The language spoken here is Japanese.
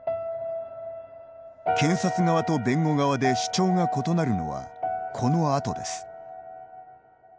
検察側と弁護側で主張が異なるのは、このあとです。